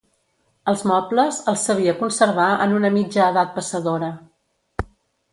Els mobles, els sabia conservar en una mitja edat passadora